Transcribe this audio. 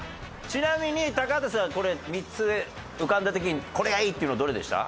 ちなみに高畑さんこれ３つ浮かんだ時にこれがいいっていうのどれでした？